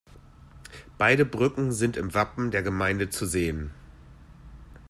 Beide Brücken sind im Wappen der Gemeinde zu sehen.